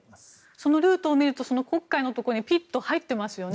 そのルートを見ると黒海のところに入っていますよね。